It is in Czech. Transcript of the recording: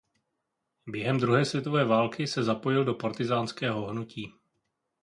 Během druhé světové války se zapojil do partyzánského hnutí.